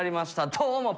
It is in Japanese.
どうも。